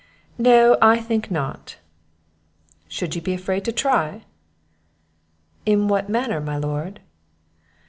"No, I think not." "Should you be afraid to try?" "In what manner, my lord?"